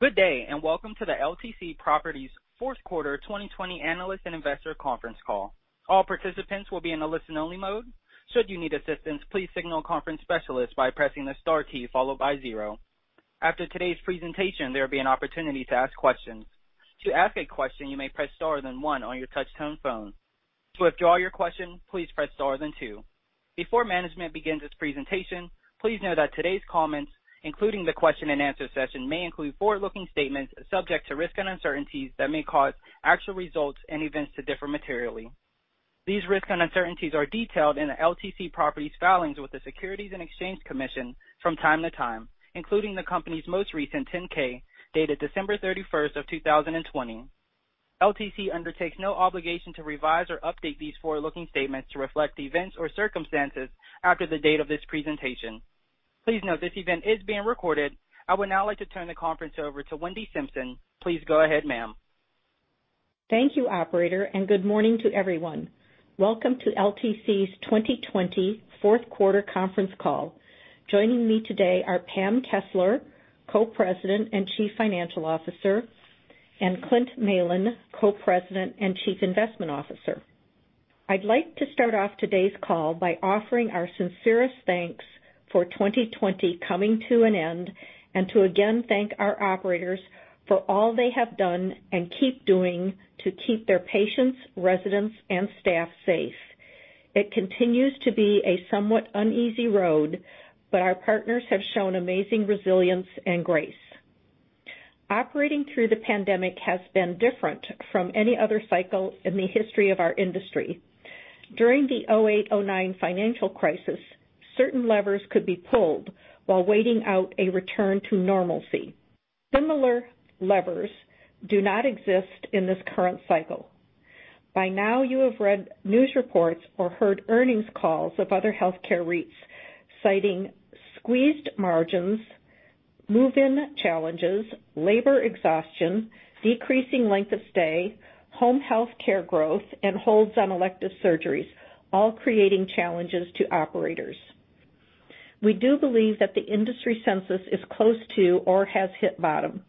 Good day and welcome to LTC Properties Fourth Quarter 2020 Analyst and Investor Conference Call, All participants are on listen-mode should you need assistance please signal conference specialist by pressing the star key followed zero. After today's presentation there will an opportunity to ask question. To ask a question you may press star then one on your touch-tone phone. To withdraw your question press star then two. Before management begins its presentation, please know that today's comments, including the question and answer session, may include forward-looking statements subject to risks and uncertainties that may cause actual results and events to differ materially. These risks and uncertainties are detailed in the LTC Properties filings with the Securities and Exchange Commission from time to time, including the company's most recent 10-K dated December 31st of 2020. LTC undertakes no obligation to revise or update these forward-looking statements to reflect events or circumstances after the date of this presentation. Please note this event is being recorded. I would now like to turn the conference over to Wendy Simpson. Please go ahead, ma'am. Thank you, operator, and good morning to everyone. Welcome to LTC's 2020 fourth quarter conference call. Joining me today are Pam Kessler, Co-president and Chief Financial Officer, and Clint Malin, Co-president and Chief Investment Officer. I'd like to start off today's call by offering our sincerest thanks for 2020 coming to an end, and to again, thank our operators for all they have done and keep doing to keep their patients, residents, and staff safe. It continues to be a somewhat uneasy road, but our partners have shown amazing resilience and grace. Operating through the pandemic has been different from any other cycle in the history of our industry. During the 2008, 2009 financial crisis, certain levers could be pulled while waiting out a return to normalcy. Similar levers do not exist in this current cycle. By now, you have read news reports or heard earnings calls of other healthcare REITs citing squeezed margins, move-in challenges, labor exhaustion, decreasing length of stay, home health care growth, and holds on elective surgeries, all creating challenges to operators. We do believe that the industry census is close to or has hit bottom.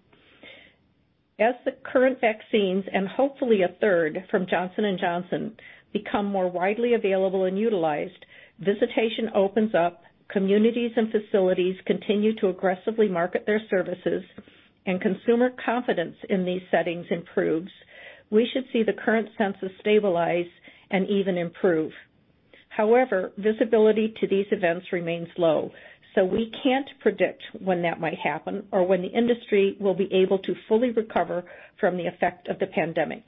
As the current vaccines, and hopefully a third from Johnson & Johnson, become more widely available and utilized, visitation opens up, communities and facilities continue to aggressively market their services, and consumer confidence in these settings improves. However, visibility to these events remains low, so we can't predict when that might happen or when the industry will be able to fully recover from the effect of the pandemic.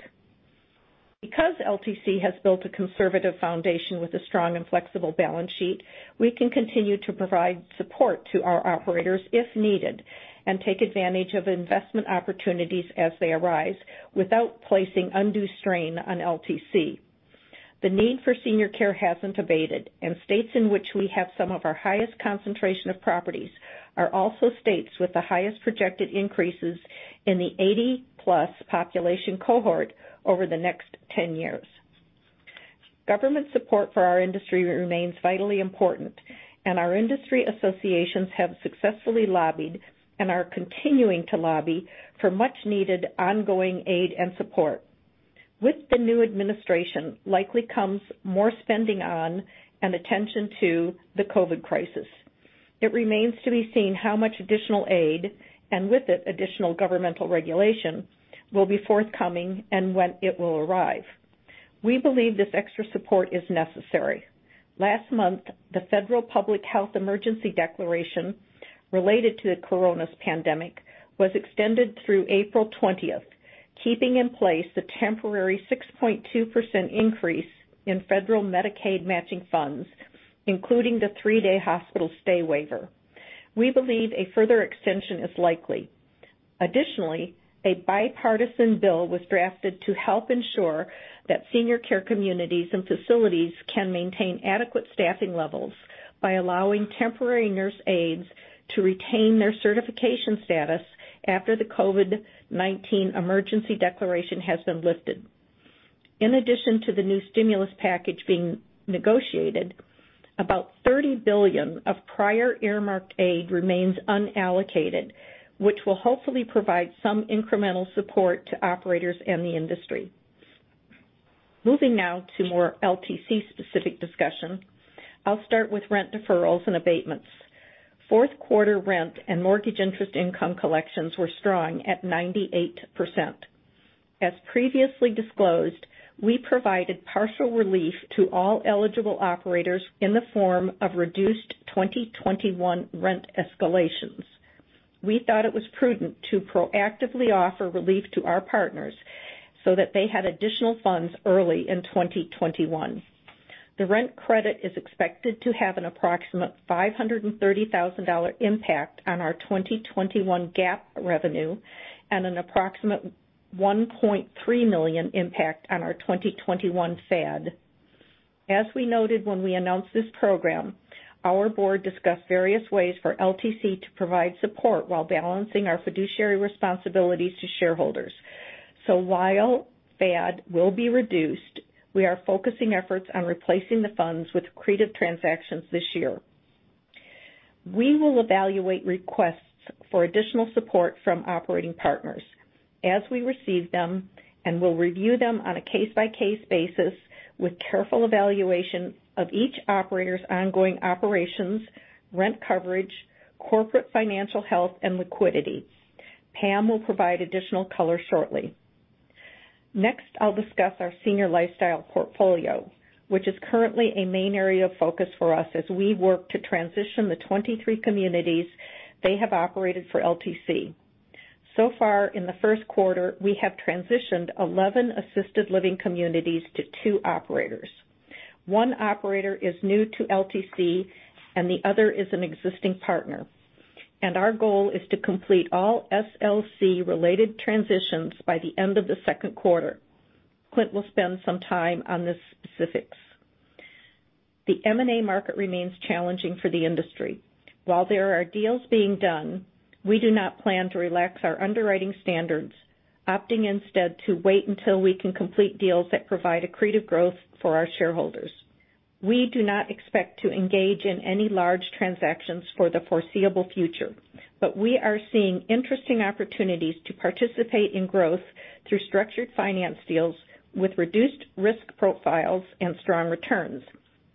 LTC has built a conservative foundation with a strong and flexible balance sheet, we can continue to provide support to our operators if needed and take advantage of investment opportunities as they arise without placing undue strain on LTC. The need for senior care hasn't abated, and states in which we have some of our highest concentration of properties are also states with the highest projected increases in the 80-plus population cohort over the next 10 years. Government support for our industry remains vitally important, and our industry associations have successfully lobbied and are continuing to lobby for much-needed ongoing aid and support. With the new administration likely comes more spending on and attention to the COVID crisis. It remains to be seen how much additional aid, and with it additional governmental regulation, will be forthcoming and when it will arrive. We believe this extra support is necessary. Last month, the federal public health emergency declaration related to the coronavirus pandemic was extended through April 20th, keeping in place the temporary 6.2% increase in federal Medicaid matching funds, including the three-day hospital stay waiver. We believe a further extension is likely. Additionally, a bipartisan bill was drafted to help ensure that senior care communities and facilities can maintain adequate staffing levels by allowing temporary nurse aides to retain their certification status after the COVID-19 emergency declaration has been lifted. In addition to the new stimulus package being negotiated, about $30 billion of prior earmarked aid remains unallocated, which will hopefully provide some incremental support to operators and the industry. Moving now to more LTC-specific discussion. I'll start with rent deferrals and abatements. Fourth quarter rent and mortgage interest income collections were strong at 98%. As previously disclosed, we provided partial relief to all eligible operators in the form of reduced 2021 rent escalations. We thought it was prudent to proactively offer relief to our partners so that they had additional funds early in 2021. The rent credit is expected to have an approximate $530,000 impact on our 2021 GAAP revenue and an approximate $1.3 million impact on our 2021 FAD. As we noted when we announced this program, our board discussed various ways for LTC to provide support while balancing our fiduciary responsibilities to shareholders. While FAD will be reduced, we are focusing efforts on replacing the funds with accretive transactions this year. We will evaluate requests for additional support from operating partners as we receive them, and we'll review them on a case-by-case basis with careful evaluation of each operator's ongoing operations, rent coverage, corporate financial health, and liquidity. Pam will provide additional color shortly. Next, I'll discuss our Senior Lifestyle portfolio, which is currently a main area of focus for us as we work to transition the 23 communities they have operated for LTC. So far, in the first quarter, we have transitioned 11 assisted living communities to two operators. One operator is new to LTC and the other is an existing partner. Our goal is to complete all SLC-related transitions by the end of the second quarter. Clint will spend some time on the specifics. The M&A market remains challenging for the industry. While there are deals being done, we do not plan to relax our underwriting standards, opting instead to wait until we can complete deals that provide accretive growth for our shareholders. We do not expect to engage in any large transactions for the foreseeable future, but we are seeing interesting opportunities to participate in growth through structured finance deals with reduced risk profiles and strong returns,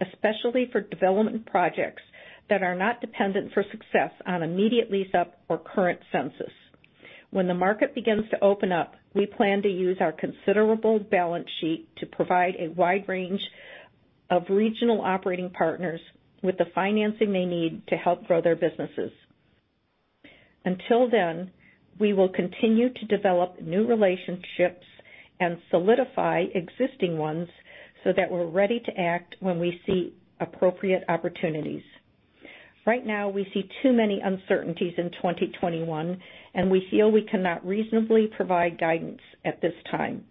especially for development projects that are not dependent for success on immediate lease-up or current census. When the market begins to open up, we plan to use our considerable balance sheet to provide a wide range of regional operating partners with the financing they need to help grow their businesses. Until then, we will continue to develop new relationships and solidify existing ones so that we're ready to act when we see appropriate opportunities. Right now, we see too many uncertainties in 2021, and we feel we cannot reasonably provide guidance at this time.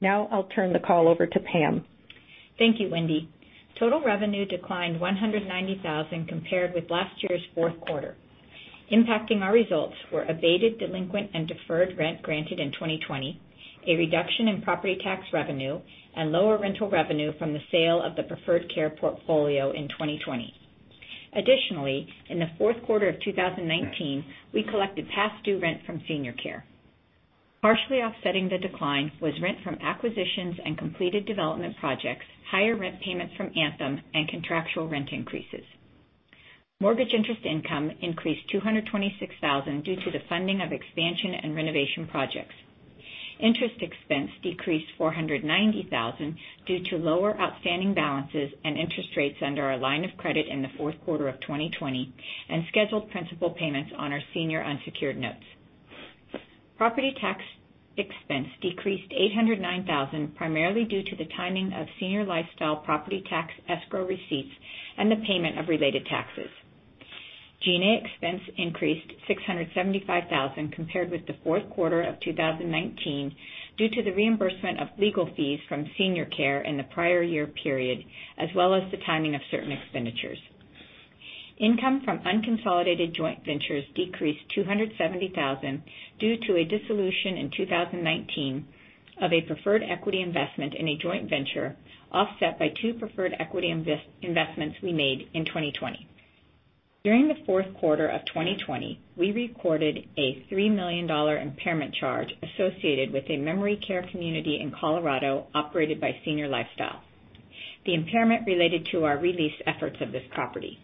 Now I'll turn the call over to Pam. Thank you, Wendy. Total revenue declined $190,000 compared with last year's fourth quarter. Impacting our results were abated, delinquent, and deferred rent granted in 2020, a reduction in property tax revenue, and lower rental revenue from the sale of the Preferred Care portfolio in 2020. Additionally, in the fourth quarter of 2019, we collected past due rent from Senior Care. Partially offsetting the decline was rent from acquisitions and completed development projects, higher rent payments from Anthem, and contractual rent increases. Mortgage interest income increased $226,000 due to the funding of expansion and renovation projects. Interest expense decreased $490,000 due to lower outstanding balances and interest rates under our line of credit in the fourth quarter of 2020 and scheduled principal payments on our senior unsecured notes. Property tax expense decreased $809,000, primarily due to the timing of Senior Lifestyle property tax escrow receipts and the payment of related taxes. G&A expense increased $675,000 compared with the fourth quarter of 2019 due to the reimbursement of legal fees from Senior Care in the prior year period, as well as the timing of certain expenditures. Income from unconsolidated joint ventures decreased $270,000 due to a dissolution in 2019 of a preferred equity investment in a joint venture, offset by two preferred equity investments we made in 2020. During the fourth quarter of 2020, we recorded a $3 million impairment charge associated with a memory care community in Colorado operated by Senior Lifestyle, the impairment related to our re-lease efforts of this property.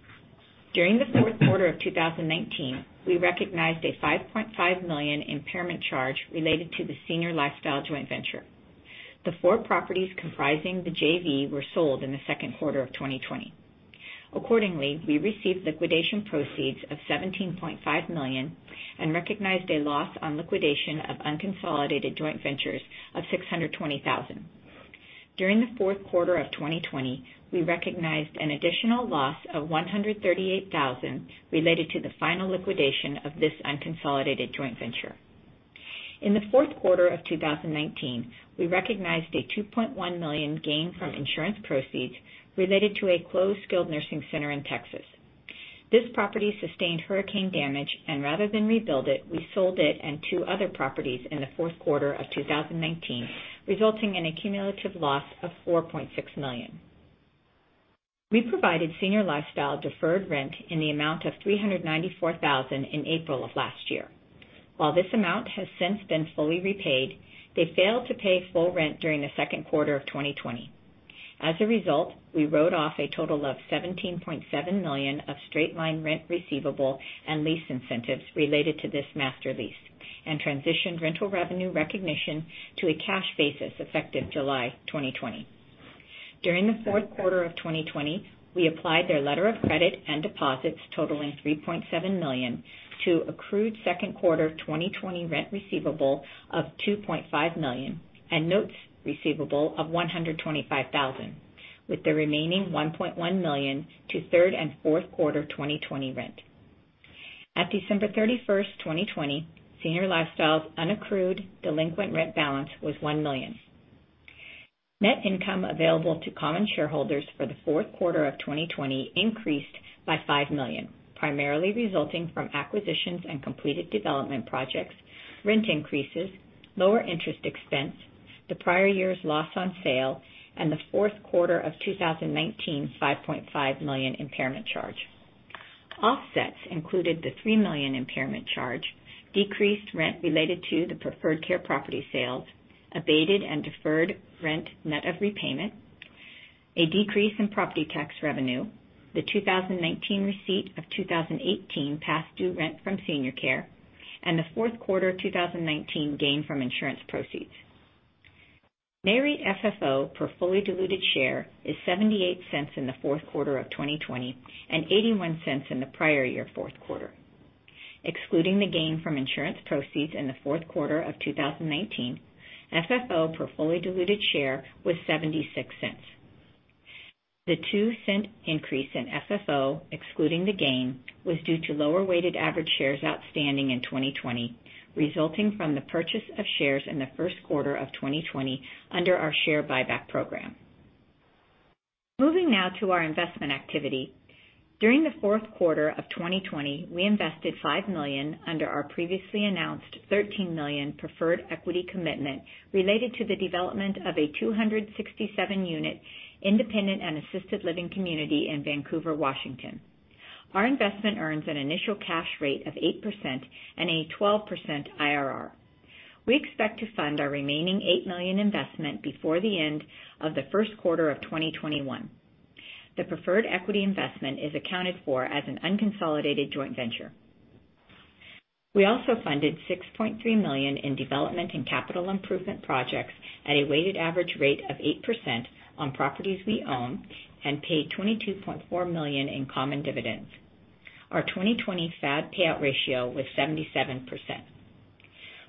During the fourth quarter of 2019, we recognized a $5.5 million impairment charge related to the Senior Lifestyle joint venture. The four properties comprising the JV were sold in the second quarter of 2020. Accordingly, we received liquidation proceeds of $17.5 million and recognized a loss on liquidation of unconsolidated joint ventures of $620,000. During the fourth quarter of 2020, we recognized an additional loss of $138,000 related to the final liquidation of this unconsolidated joint venture. In the fourth quarter of 2019, we recognized a $2.1 million gain from insurance proceeds related to a closed skilled nursing center in Texas. This property sustained hurricane damage, and rather than rebuild it, we sold it and two other properties in the fourth quarter of 2019, resulting in a cumulative loss of $4.6 million. We provided Senior Lifestyle deferred rent in the amount of $394,000 in April of last year. While this amount has since been fully repaid, they failed to pay full rent during the second quarter of 2020. As a result, we wrote off a total of $17.7 million of straight-line rent receivable and lease incentives related to this master lease and transitioned rental revenue recognition to a cash basis effective July 2020. During the fourth quarter of 2020, we applied their letter of credit and deposits totaling $3.7 million to accrued second quarter 2020 rent receivable of $2.5 million and notes receivable of $125,000, with the remaining $1.1 million to third and fourth quarter 2020 rent. At December 31st, 2020, Senior Lifestyle's unaccrued delinquent rent balance was $1 million. Net income available to common shareholders for the fourth quarter of 2020 increased by $5 million, primarily resulting from acquisitions and completed development projects, rent increases, lower interest expense, the prior year's loss on sale, and the fourth quarter of 2019's $5.5 million impairment charge. Offsets included the $3 million impairment charge, decreased rent related to the Preferred Care property sales, abated and deferred rent net of repayment, a decrease in property tax revenue, the 2019 receipt of 2018 past due rent from Senior Care, and the fourth quarter 2019 gain from insurance proceeds. Nareit FFO per fully diluted share is $0.78 in the fourth quarter of 2020 and $0.81 in the prior year fourth quarter. Excluding the gain from insurance proceeds in the fourth quarter of 2019, FFO per fully diluted share was $0.76. The $0.02 increase in FFO, excluding the gain, was due to lower weighted average shares outstanding in 2020, resulting from the purchase of shares in the first quarter of 2020 under our share buyback program. Moving now to our investment activity. During the fourth quarter of 2020, we invested $5 million under our previously announced $13 million preferred equity commitment related to the development of a 267-unit independent and assisted living community in Vancouver, Washington. Our investment earns an initial cash rate of 8% and a 12% IRR. We expect to fund our remaining $8 million investment before the end of the first quarter of 2021. The preferred equity investment is accounted for as an unconsolidated joint venture. We also funded $6.3 million in development and capital improvement projects at a weighted average rate of 8% on properties we own and paid $22.4 million in common dividends. Our 2020 FAD payout ratio was 77%.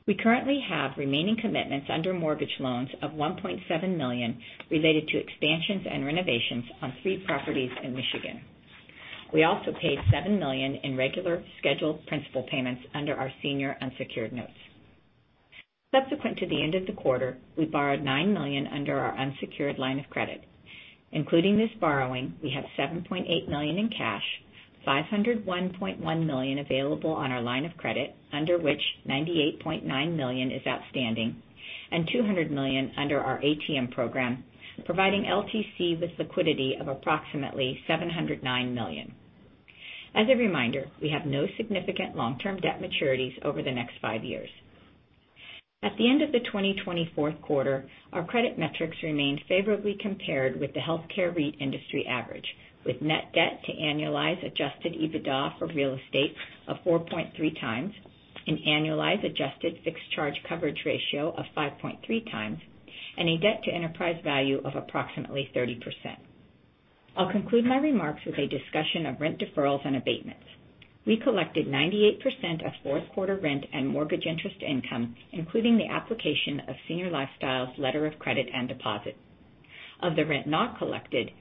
We currently have remaining commitments under mortgage loans of $1.7 million related to expansions and renovations on three properties in Michigan. We also paid $7 million in regular scheduled principal payments under our senior unsecured notes. Subsequent to the end of the quarter, we borrowed $9 million under our unsecured line of credit. Including this borrowing, we have $7.8 million in cash, $501.1 million available on our line of credit, under which $98.9 million is outstanding, and $200 million under our ATM program, providing LTC with liquidity of approximately $709 million. As a reminder, we have no significant long-term debt maturities over the next five years. At the end of the 2020 fourth quarter, our credit metrics remained favorably compared with the healthcare REIT industry average, with net debt to annualized adjusted EBITDA for real estate of 4.3x, an annualized adjusted fixed-charge coverage ratio of 5.3x, and a debt to enterprise value of approximately 30%. I'll conclude my remarks with a discussion of rent deferrals and abatements. We collected 98% of fourth quarter rent and mortgage interest income, including the application of Senior Lifestyle's letter of credit and deposit. Of the rent not collected,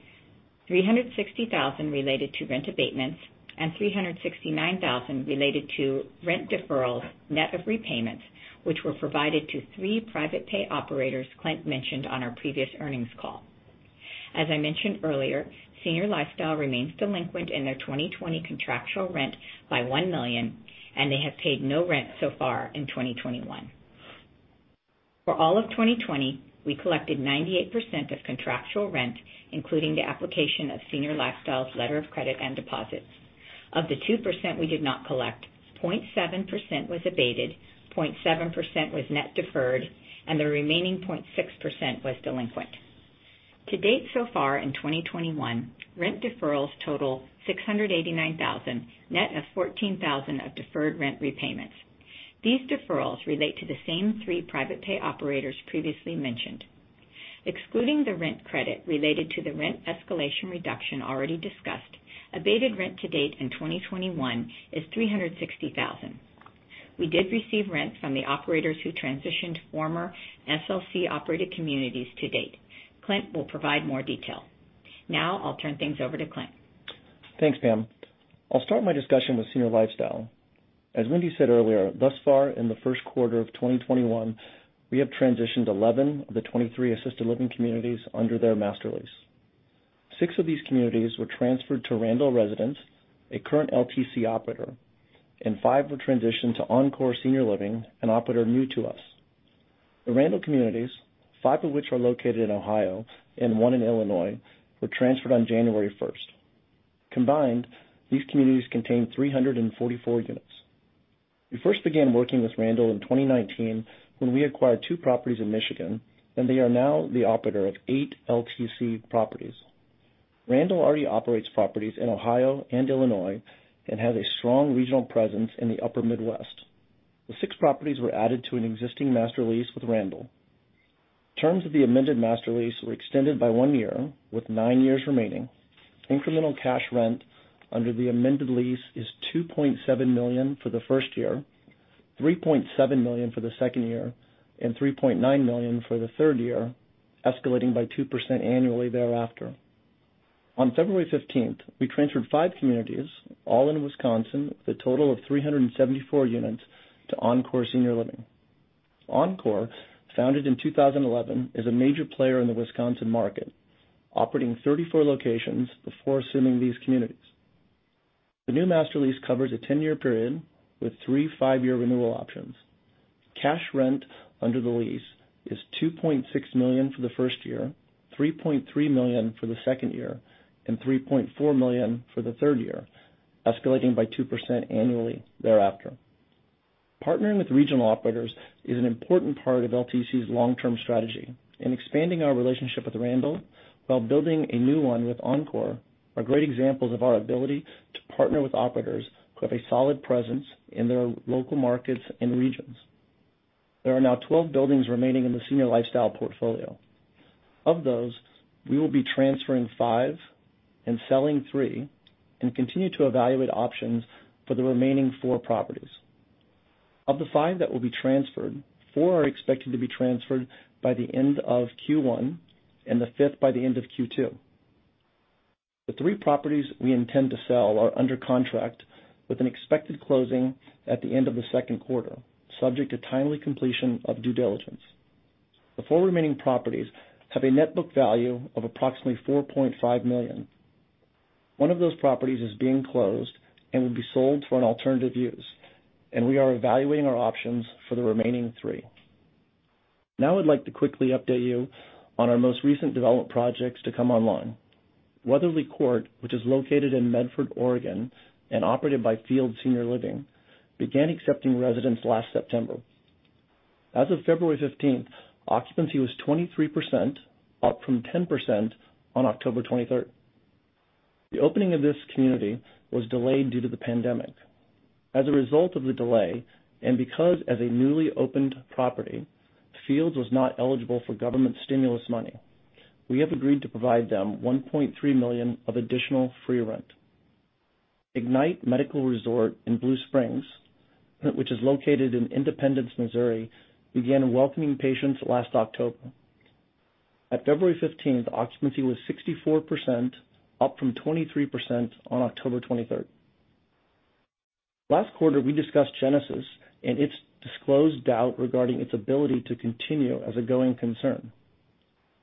$360,000 related to rent abatements and $369,000 related to rent deferrals, net of repayments, which were provided to three private pay operators Clint mentioned on our previous earnings call. As I mentioned earlier, Senior Lifestyle remains delinquent in their 2020 contractual rent by $1 million, and they have paid no rent so far in 2021. For all of 2020, we collected 98% of contractual rent, including the application of Senior Lifestyle's letter of credit and deposits. Of the 2% we did not collect, 0.7% was abated, 0.7% was net deferred, and the remaining 0.6% was delinquent. To date so far in 2021, rent deferrals total $689,000, net of $14,000 of deferred rent repayments. These deferrals relate to the same three private pay operators previously mentioned. Excluding the rent credit related to the rent escalation reduction already discussed, abated rent to date in 2021 is $360,000. We did receive rent from the operators who transitioned former SLC-operated communities to date. Clint will provide more detail. Now I'll turn things over to Clint. Thanks, Pam. I'll start my discussion with Senior Lifestyle. As Wendy said earlier, thus far in the first quarter of 2021, we have transitioned 11 of the 23 assisted living communities under their master lease. Six of these communities were transferred to Randall Residence, a current LTC operator, and five were transitioned to Encore Senior Living, an operator new to us. The Randall communities, five of which are located in Ohio and one in Illinois, were transferred on January 1st. Combined, these communities contain 344 units. We first began working with Randall in 2019 when we acquired two properties in Michigan, and they are now the operator of eight LTC Properties. Randall already operates properties in Ohio and Illinois and has a strong regional presence in the upper Midwest. The six properties were added to an existing master lease with Randall. Terms of the amended master lease were extended by one year, with nine years remaining. Incremental cash rent under the amended lease is $2.7 million for the first year, $3.7 million for the second year, and $3.9 million for the third year, escalating by 2% annually thereafter. On February 15th, we transferred five communities, all in Wisconsin, with a total of 374 units to Encore Senior Living. Encore, founded in 2011, is a major player in the Wisconsin market, operating 34 locations before assuming these communities. The new master lease covers a 10-year period with three five-year renewal options. Cash rent under the lease is $2.6 million for the first year, $3.3 million for the second year, and $3.4 million for the third year, escalating by 2% annually thereafter. Partnering with regional operators is an important part of LTC's long-term strategy, and expanding our relationship with Randall while building a new one with Encore are great examples of our ability to partner with operators who have a solid presence in their local markets and regions. There are now 12 buildings remaining in the senior lifestyle portfolio. Of those, we will be transferring five and selling three and continue to evaluate options for the remaining four properties. Of the five that will be transferred, four are expected to be transferred by the end of Q1 and the fifth by the end of Q2. The three properties we intend to sell are under contract with an expected closing at the end of the second quarter, subject to timely completion of due diligence. The four remaining properties have a net book value of approximately $4.5 million. One of those properties is being closed and will be sold for an alternative use, and we are evaluating our options for the remaining three. Now I'd like to quickly update you on our most recent development projects to come online. Weatherly Court, which is located in Medford, Oregon, and operated by Fields Senior Living, began accepting residents last September. As of February 15th, occupancy was 23%, up from 10% on October 23rd. The opening of this community was delayed due to the pandemic. As a result of the delay, and because as a newly opened property, Fields was not eligible for government stimulus money, we have agreed to provide them $1.3 million of additional free rent. Ignite Medical Resort in Blue Springs, which is located in Independence, Missouri, began welcoming patients last October. At February 15th, occupancy was 64%, up from 23% on October 23rd. Last quarter, we discussed Genesis and its disclosed doubt regarding its ability to continue as a going concern.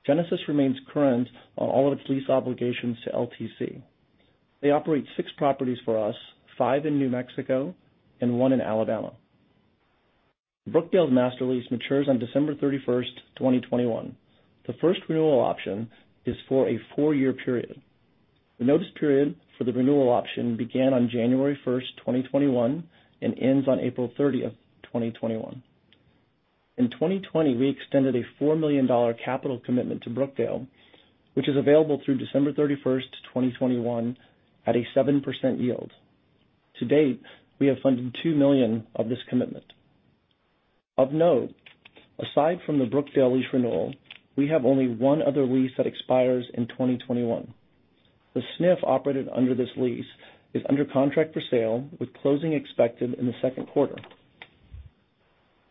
Genesis remains current on all of its lease obligations to LTC. They operate six properties for us, five in New Mexico and one in Alabama. Brookdale's master lease matures on December 31st, 2021. The first renewal option is for a four-year period. The notice period for the renewal option began on January 1st, 2021, and ends on April 30th, 2021. In 2020, we extended a $4 million capital commitment to Brookdale, which is available through December 31st, 2021, at a 7% yield. To date, we have funded $2 million of this commitment. Of note, aside from the Brookdale lease renewal, we have only one other lease that expires in 2021. The SNF operated under this lease is under contract for sale, with closing expected in the second quarter.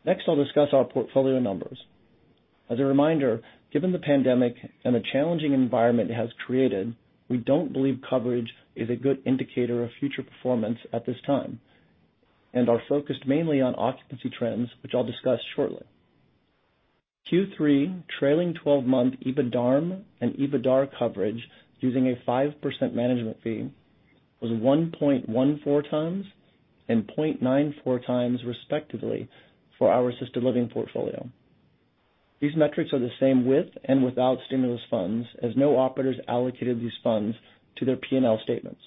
Next, I'll discuss our portfolio numbers. As a reminder, given the pandemic and the challenging environment it has created, we don't believe coverage is a good indicator of future performance at this time and are focused mainly on occupancy trends, which I'll discuss shortly. Q3 trailing 12-month EBITDARM and EBITDAR coverage using a 5% management fee was 1.14x and 0.94x respectively for our assisted living portfolio. These metrics are the same with and without stimulus funds as no operators allocated these funds to their P&L statements.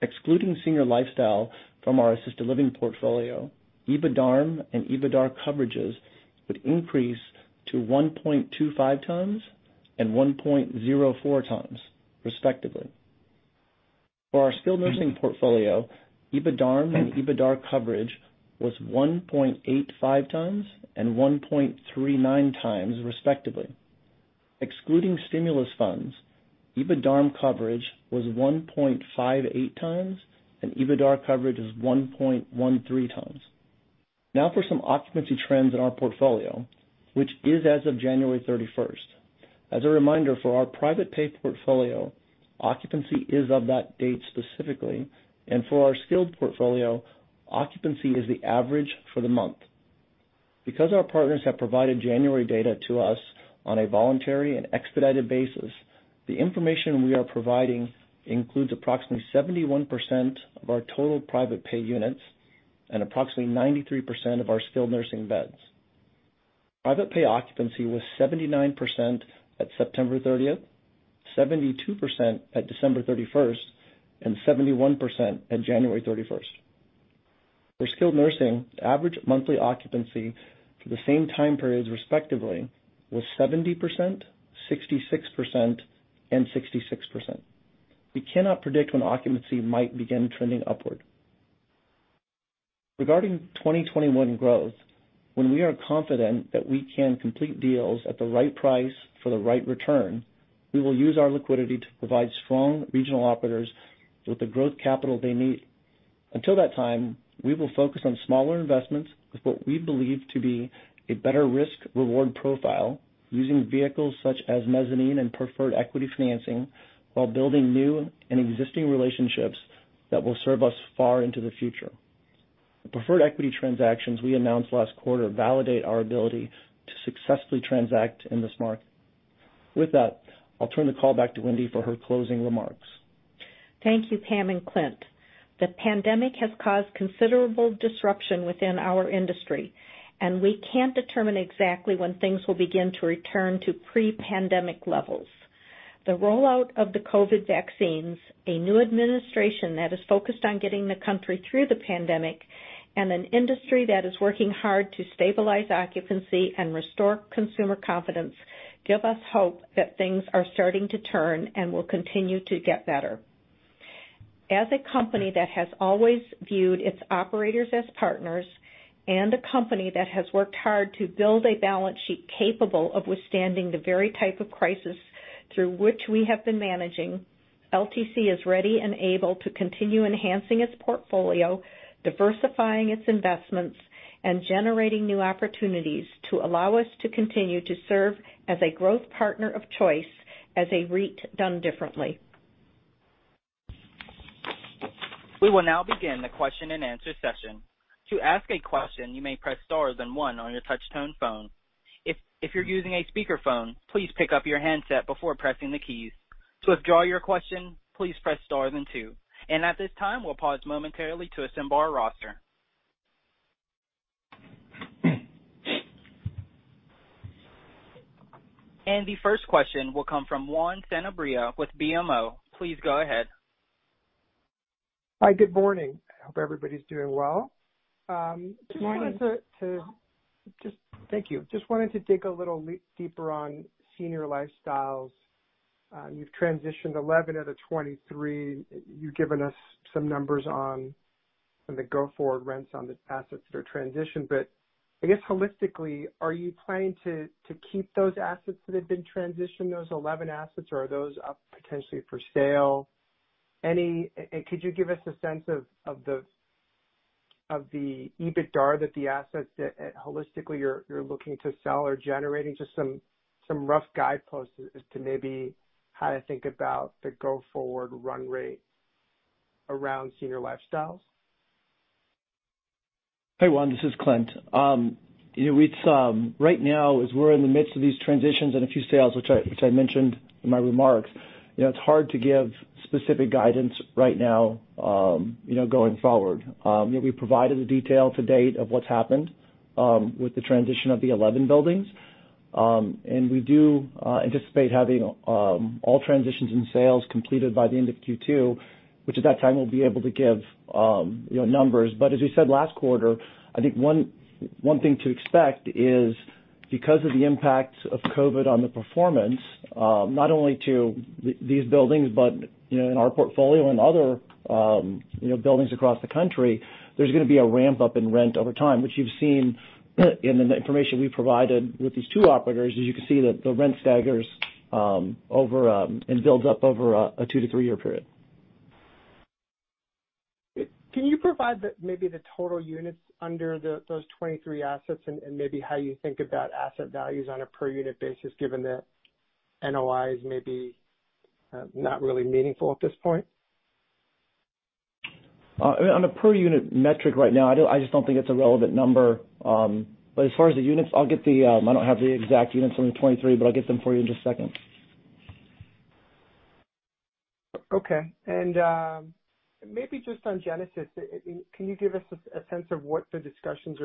Excluding Senior Lifestyle from our assisted living portfolio, EBITDARM and EBITDAR coverages would increase to 1.25x and 1.04x respectively. For our skilled nursing portfolio, EBITDARM and EBITDAR coverage was 1.85x and 1.39x respectively. Excluding stimulus funds, EBITDARM coverage was 1.58x, and EBITDAR coverage was 1.13x. For some occupancy trends in our portfolio, which is as of January 31st. As a reminder, for our private pay portfolio, occupancy is of that date specifically, and for our skilled portfolio, occupancy is the average for the month. Our partners have provided January data to us on a voluntary and expedited basis, the information we are providing includes approximately 71% of our total private pay units and approximately 93% of our skilled nursing beds. Private pay occupancy was 79% at September 30th, 72% at December 31st, and 71% at January 31st. For skilled nursing, average monthly occupancy for the same time periods respectively was 70%, 66%, and 66%. We cannot predict when occupancy might begin trending upward. Regarding 2021 growth, when we are confident that we can complete deals at the right price for the right return, we will use our liquidity to provide strong regional operators with the growth capital they need. Until that time, we will focus on smaller investments with what we believe to be a better risk-reward profile using vehicles such as mezzanine and preferred equity financing while building new and existing relationships that will serve us far into the future. The preferred equity transactions we announced last quarter validate our ability to successfully transact in this market. With that, I'll turn the call back to Wendy for her closing remarks. Thank you, Pam and Clint. The pandemic has caused considerable disruption within our industry, and we can't determine exactly when things will begin to return to pre-pandemic levels. The rollout of the COVID vaccines, a new administration that is focused on getting the country through the pandemic, and an industry that is working hard to stabilize occupancy and restore consumer confidence give us hope that things are starting to turn and will continue to get better. As a company that has always viewed its operators as partners and a company that has worked hard to build a balance sheet capable of withstanding the very type of crisis through which we have been managing, LTC is ready and able to continue enhancing its portfolio, diversifying its investments, and generating new opportunities to allow us to continue to serve as a growth partner of choice as a REIT done differently. We will now begin the question-and-answer session. To ask a question, you may press star then one on your touch-tone phone. If you're using a speakerphone, please pick up your handset before pressing the keys. To withdraw your question, please press star then two. At this time, we'll pause momentarily to assemble our roster. The first question will come from Juan Sanabria with BMO. Please go ahead. Hi. Good morning. I hope everybody's doing well. Good morning. Thank you. Just wanted to dig a little deeper on Senior Lifestyles. You've transitioned 11 out of 23. You've given us some numbers on the go-forward rents on the assets that are transitioned. I guess holistically, are you planning to keep those assets that have been transitioned, those 11 assets, or are those up potentially for sale? Could you give us a sense of the EBITDA that the assets that holistically you're looking to sell are generating? Just some rough guideposts as to maybe how to think about the go-forward run rate around Senior Lifestyles. Hey, Juan. This is Clint. Right now, as we're in the midst of these transitions and a few sales, which I mentioned in my remarks, it's hard to give specific guidance right now going forward. We provided the detail to date of what's happened with the transition of the 11 buildings. We do anticipate having all transitions and sales completed by the end of Q2, which at that time, we'll be able to give numbers. As we said last quarter, I think one thing to expect is because of the impact of COVID-19 on the performance, not only to these buildings but in our portfolio and other buildings across the country, there's going to be a ramp-up in rent over time, which you've seen in the information we provided with these two operators. As you can see, the rent staggers and builds up over a two to three-year period. Can you provide maybe the total units under those 23 assets and maybe how you think about asset values on a per unit basis, given that NOI is maybe not really meaningful at this point? On a per unit metric right now, I just don't think it's a relevant number. As far as the units, I don't have the exact units on the 2023, but I'll get them for you in just a second. Okay. Maybe just on Genesis, can you give us a sense of what discussions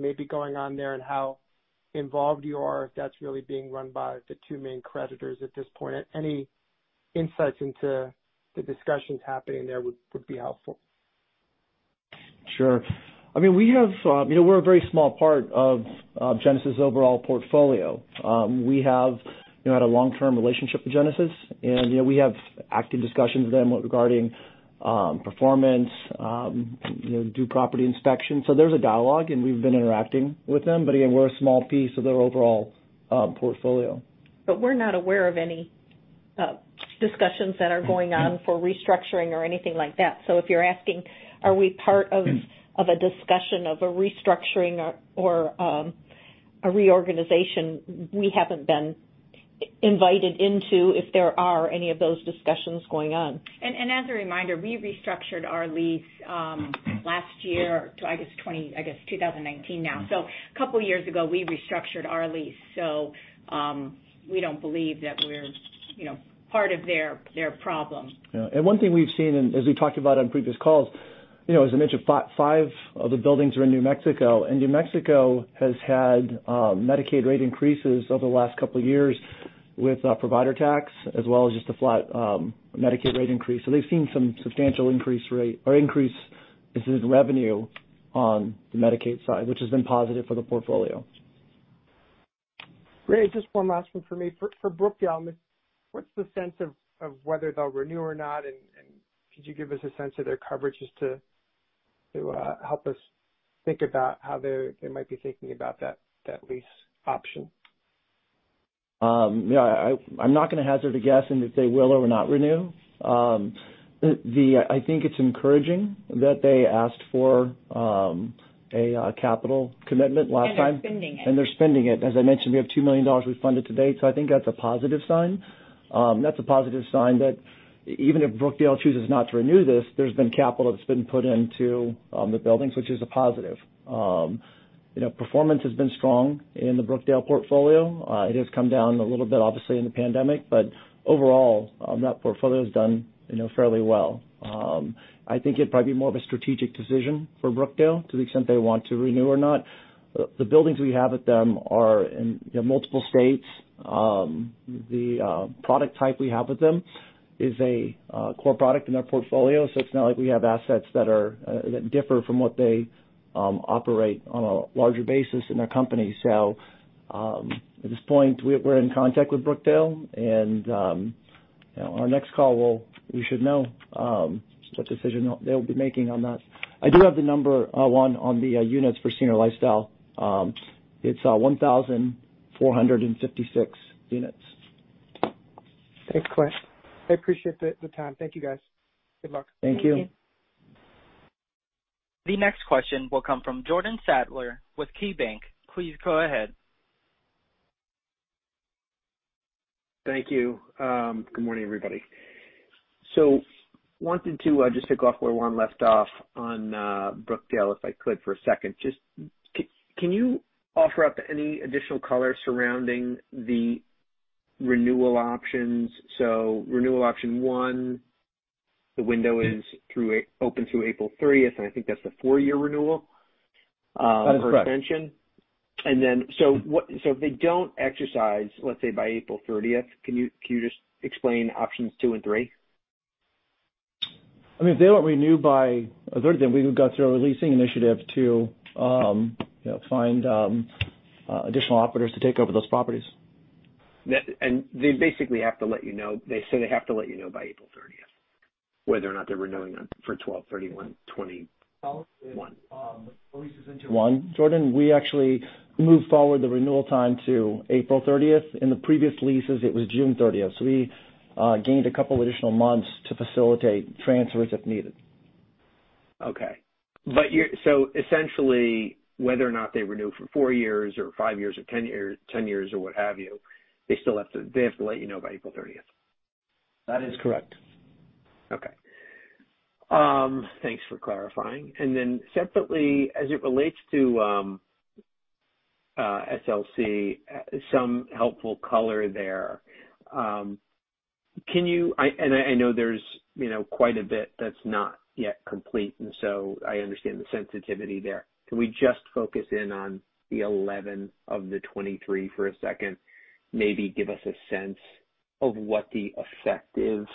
may be going on there and how involved you are if that's really being run by the two main creditors at this point? Any insights into the discussions happening there would be helpful. Sure. We're a very small part of Genesis' overall portfolio. We have had a long-term relationship with Genesis, and we have active discussions with them regarding performance, do property inspections. There's a dialogue, and we've been interacting with them. Again, we're a small piece of their overall portfolio. We're not aware of any discussions that are going on for restructuring or anything like that. If you're asking, are we part of a discussion of a restructuring or a reorganization, we haven't been invited into if there are any of those discussions going on. As a reminder, we restructured our lease last year to I guess 2019 now. A couple of years ago, we restructured our lease. We don't believe that we're part of their problem. Yeah. One thing we've seen, and as we talked about on previous calls, as I mentioned, five of the buildings are in New Mexico, and New Mexico has had Medicaid rate increases over the last couple of years with provider tax as well as just a flat Medicaid rate increase. They've seen some substantial increase in revenue on the Medicaid side, which has been positive for the portfolio. Great. Just one last one from me. For Brookdale, what's the sense of whether they'll renew or not? Could you give us a sense of their coverage just to help us think about how they might be thinking about that lease option? I'm not going to hazard a guess in if they will or will not renew. I think it's encouraging that they asked for a capital commitment last time. They're spending it. They're spending it. As I mentioned, we have $2 million we've funded to date. I think that's a positive sign. That's a positive sign that even if Brookdale chooses not to renew this, there's been capital that's been put into the buildings, which is a positive. Performance has been strong in the Brookdale portfolio. It has come down a little bit, obviously, in the pandemic. Overall, that portfolio's done fairly well. I think it'd probably be more of a strategic decision for Brookdale to the extent they want to renew or not. The buildings we have with them are in multiple states. The product type we have with them is a core product in their portfolio. It's not like we have assets that differ from what they operate on a larger basis in their company. At this point, we're in contact with Brookdale, and on our next call we should know what decision they'll be making on that. I do have the number, Juan, on the units for Senior Lifestyle. It's 1,456 units. Thanks, Clint. I appreciate the time. Thank you, guys. Good luck. Thank you. Thank you. The next question will come from Jordan Sadler with KeyBanc. Please go ahead. Thank you. Good morning, everybody. I wanted to just pick up where Juan left off on Brookdale, if I could for a second. Just can you offer up any additional color surrounding the renewal options? Renewal option one, the window is open through April 30th, and I think that's the four-year renewal- That is correct. or extension. If they don't exercise, let's say by April 30th, can you just explain options two and three? If they don't renew by the 30th, then we go through a re-leasing initiative to find additional operators to take over those properties. They basically have to let you know. They say they have to let you know by April 30th whether or not they're renewing for 12/31/2021. One, Jordan. We actually moved forward the renewal time to April 30th. In the previous leases, it was June 30th. We gained a couple additional months to facilitate transfers if needed. Okay. Essentially, whether or not they renew for four years or five years or 10 years or what have you, they have to let you know by April 30th. That is correct. Okay. Thanks for clarifying. Then separately, as it relates to SLC, some helpful color there. I know there's quite a bit that's not yet complete, so I understand the sensitivity there. Can we just focus in on the 11 of the 23 for a second? Maybe give us a sense of what the effective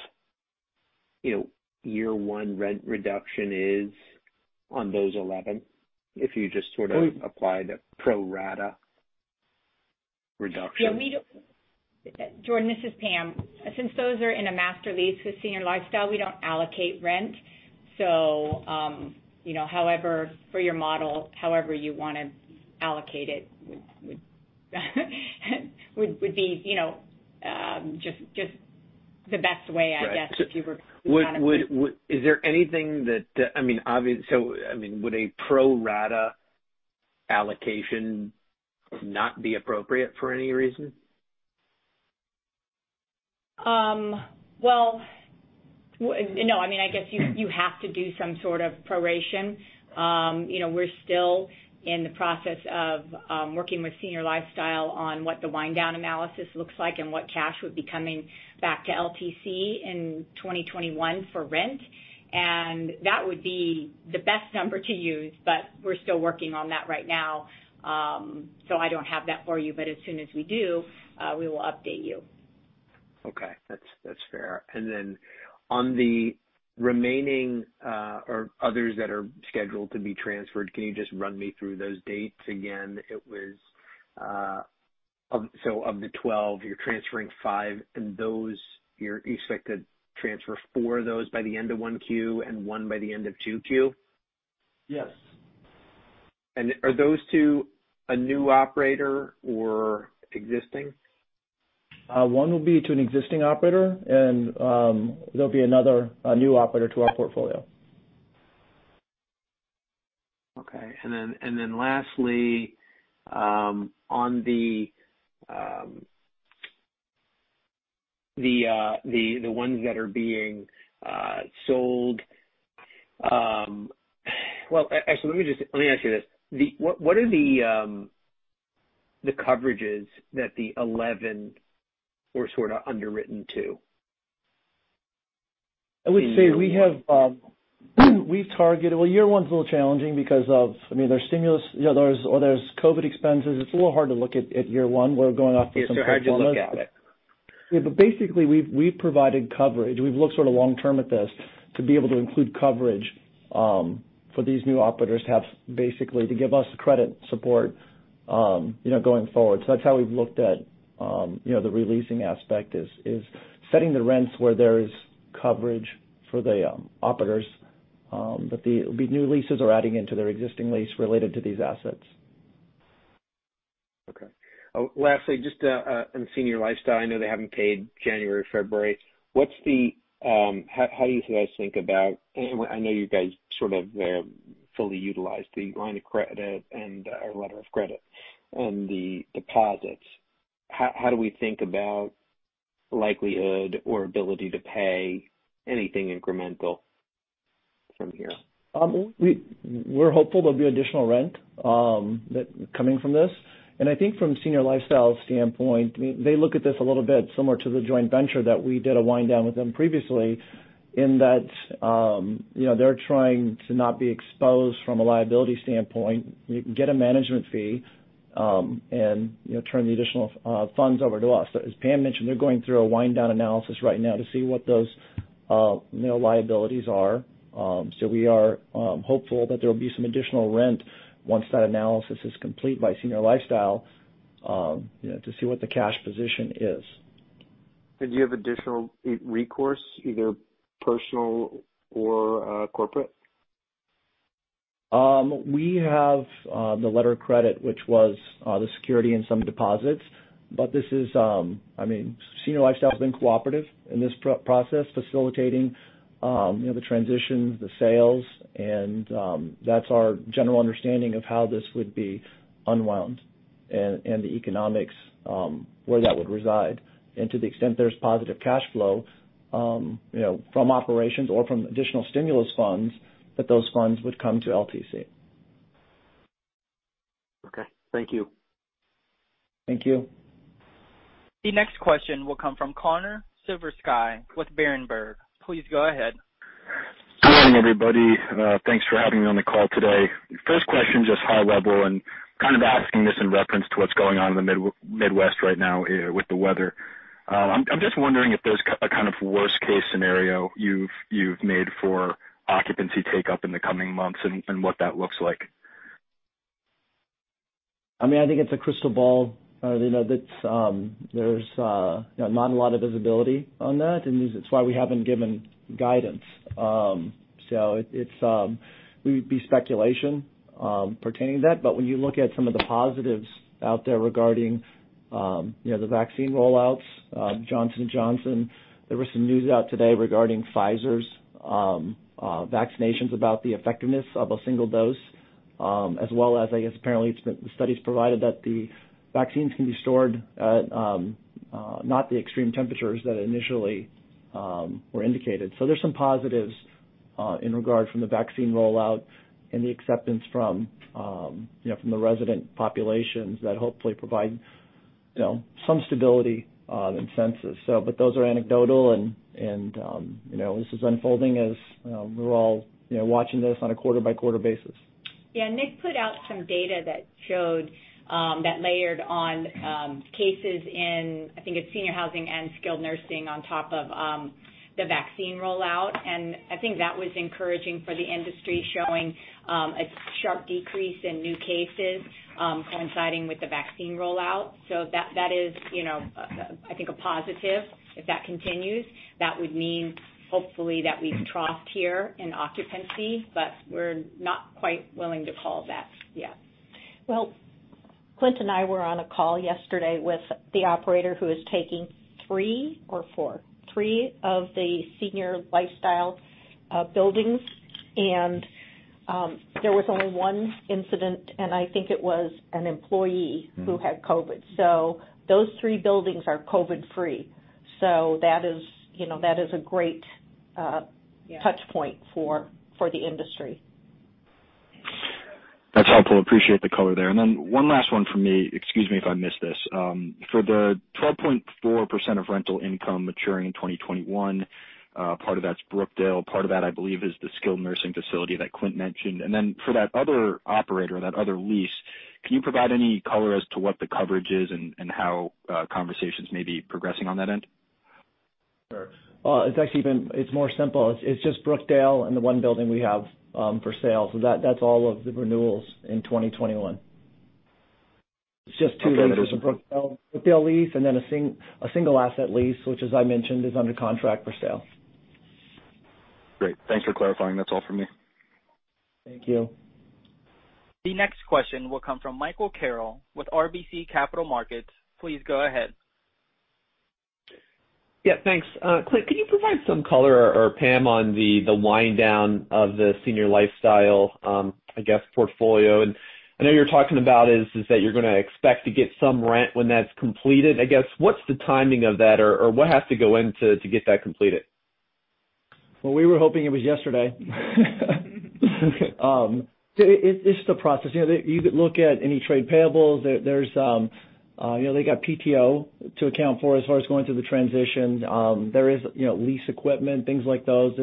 year one rent reduction is on those 11, if you just sort of applied a pro rata reduction. Jordan, this is Pam. Since those are in a master lease with Senior Lifestyle, we don't allocate rent. For your model, however you want to allocate it would be just the best way, I guess. Would a pro rata allocation not be appropriate for any reason? Well, no. I guess you have to do some sort of proration. We're still in the process of working with Senior Lifestyle on what the wind down analysis looks like and what cash would be coming back to LTC in 2021 for rent. That would be the best number to use. We're still working on that right now. I don't have that for you. As soon as we do, we will update you. Okay. That's fair. Then on the remaining, or others that are scheduled to be transferred, can you just run me through those dates again? Of the 12, you're transferring five. Those, you expect to transfer four of those by the end of one Q and one by the end of two Q? Yes. Are those to a new operator or existing? One will be to an existing operator, and there'll be another new operator to our portfolio. Okay. Then lastly, on the ones that are being sold. Well, actually, let me ask you this. What are the coverages that the 11 were sort of underwritten to? I would say we've targeted Well, year one's a little challenging because of, there's stimulus or there's COVID expenses. It's a little hard to look at year one. We're going off some performance- Yeah. How'd you look at it? Yeah. Basically, we've provided coverage. We've looked sort of long-term at this to be able to include coverage, for these new operators to have basically to give us credit support going forward. That's how we've looked at the re-leasing aspect is setting the rents where there's coverage for the operators. The new leases are adding into their existing lease related to these assets. Okay. Lastly, just on Senior Lifestyle, I know they haven't paid January, February. How do you guys think about I know you guys sort of fully utilized the line of credit and a letter of credit and the deposits. How do we think about likelihood or ability to pay anything incremental from here? We're hopeful there'll be additional rent coming from this. I think from Senior Lifestyle's standpoint, they look at this a little bit similar to the joint venture that we did a wind down with them previously in that they're trying to not be exposed from a liability standpoint. We can get a management fee, and turn the additional funds over to us. As Pam mentioned, they're going through a wind down analysis right now to see what those liabilities are. We are hopeful that there will be some additional rent once that analysis is complete by Senior Lifestyle to see what the cash position is. Do you have additional recourse, either personal or corporate? We have the letter of credit, which was the security in some deposits. Senior Lifestyle has been cooperative in this process, facilitating the transitions, the sales, and that's our general understanding of how this would be unwound and the economics, where that would reside. To the extent there's positive cash flow from operations or from additional stimulus funds, that those funds would come to LTC. Okay. Thank you. Thank you. The next question will come from Connor Siversky with Berenberg. Please go ahead. Good morning, everybody. Thanks for having me on the call today. First question, just high level and kind of asking this in reference to what's going on in the Midwest right now with the weather. I'm just wondering if there's a kind of worst case scenario you've made for occupancy take up in the coming months and what that looks like. I think it's a crystal ball. There's not a lot of visibility on that, and it's why we haven't given guidance. It would be speculation pertaining to that. When you look at some of the positives out there regarding the vaccine rollouts, Johnson & Johnson, there was some news out today regarding Pfizer's vaccinations about the effectiveness of a single dose, as well as, I guess apparently the studies provided that the vaccines can be stored at not the extreme temperatures that initially were indicated. There's some positives in regard from the vaccine rollout and the acceptance from the resident populations that hopefully provide some stability and census. Those are anecdotal and this is unfolding as we're all watching this on a quarter-by-quarter basis. Yeah. NIC put out some data that layered on cases in, I think it's senior housing and skilled nursing on top of the vaccine rollout. I think that was encouraging for the industry, showing a sharp decrease in new cases coinciding with the vaccine rollout. That is I think a positive. If that continues, that would mean hopefully that we've troughed here in occupancy, but we're not quite willing to call that yet. Well, Clint and I were on a call yesterday with the operator who is taking three of the Senior Lifestyle buildings, and there was only one incident, and I think it was an employee who had COVID. Those three buildings are COVID-free. That is a great touch point for the industry. That's helpful. Appreciate the color there. One last one from me. Excuse me if I missed this. For the 12.4% of rental income maturing in 2021, part of that's Brookdale, part of that, I believe, is the skilled nursing facility that Clint mentioned. For that other operator, that other lease, can you provide any color as to what the coverage is and how conversations may be progressing on that end? Sure. It's more simple. It's just Brookdale and the one building we have for sale. That's all of the renewals in 2021. It's just two leases. Okay. The Brookdale lease and then a single asset lease, which as I mentioned, is under contract for sale. Great. Thanks for clarifying. That's all from me. Thank you. The next question will come from Michael Carroll with RBC Capital Markets. Please go ahead. Yeah. Thanks. Clint, can you provide some color, or Pam, on the wind down of the Senior Lifestyle Corporation, I guess, portfolio? I know you're talking about is that you're going to expect to get some rent when that's completed. I guess, what's the timing of that, or what has to go in to get that completed? Well, we were hoping it was yesterday. It's just a process. You could look at any trade payables. They got PTO to account for as far as going through the transition. There is lease equipment, things like those.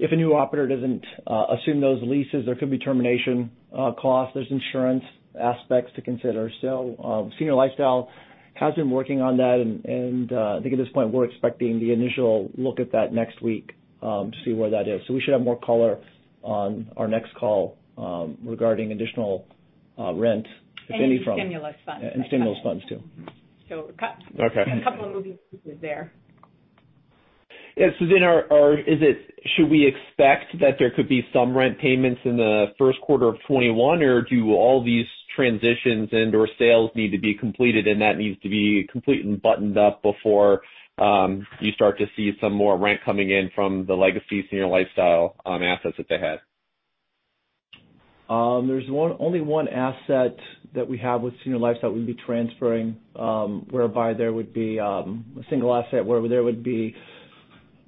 If a new operator doesn't assume those leases, there could be termination costs. There's insurance aspects to consider. Senior Lifestyle has been working on that, and I think at this point, we're expecting the initial look at that next week to see where that is. We should have more color on our next call regarding additional rent, if any. Stimulus funds. Stimulus funds too. So a couple- a couple of moving pieces there. Yeah. Suzanne, should we expect that there could be some rent payments in the first quarter of 2021, or do all these transitions and/or sales need to be completed, and that needs to be complete and buttoned up before you start to see some more rent coming in from the legacy Senior Lifestyle assets that they had? There's only one asset that we have with Senior Lifestyle we'd be transferring, a single asset where there would be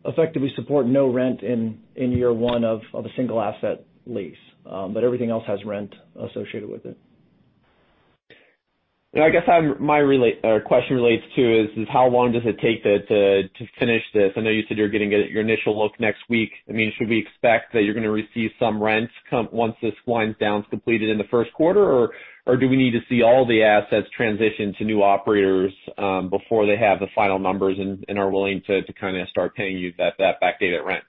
effectively support no rent in year one of a single asset lease. Everything else has rent associated with it. I guess my question relates to is, how long does it take to finish this? I know you said you're getting at your initial look next week. Should we expect that you're going to receive some rent once this wind down's completed in the first quarter, or do we need to see all the assets transition to new operators before they have the final numbers and are willing to start paying you that backdated rent?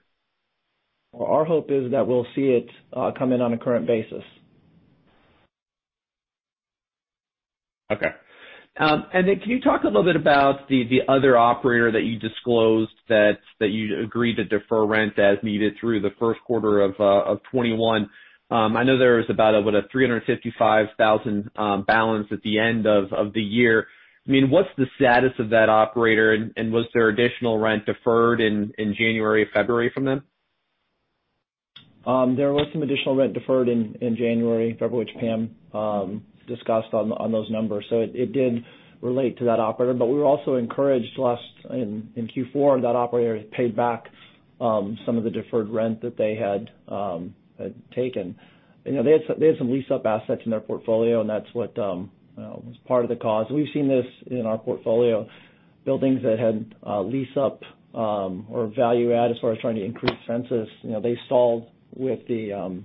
Well, our hope is that we'll see it come in on a current basis. Okay. Can you talk a little bit about the other operator that you disclosed that you agreed to defer rent as needed through the first quarter of 2021? I know there was about a $355,000 balance at the end of the year. What's the status of that operator, and was there additional rent deferred in January, February from them? There was some additional rent deferred in January, February, which Pam discussed on those numbers. It did relate to that operator. We were also encouraged last in Q4 that operator paid back some of the deferred rent that they had taken. They had some lease-up assets in their portfolio, and that's what was part of the cause. We've seen this in our portfolio, buildings that had lease-up or value add as far as trying to increase census, they stalled with the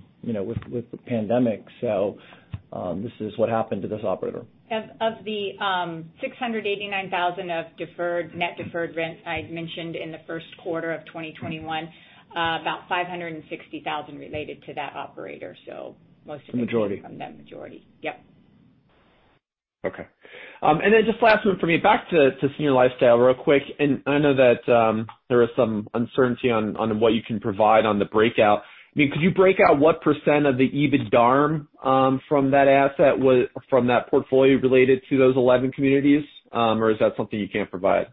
pandemic. This is what happened to this operator. Of the $689,000 of net deferred rent I had mentioned in the first quarter of 2021, about $560,000 related to that operator. The majority from that majority. Yep. Okay. Just last one from me, back to Senior Lifestyle real quick, I know that there is some uncertainty on what you can provide on the breakout. Could you break out what % of the EBITDARM from that asset was from that portfolio related to those 11 communities? Is that something you can't provide?